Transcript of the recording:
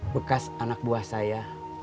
bekas anak buah saya